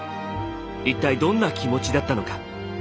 一体どんな気持ちだったのか。